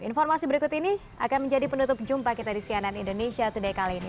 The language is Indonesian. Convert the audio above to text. informasi berikut ini akan menjadi penutup jumpa kita di cnn indonesia today kali ini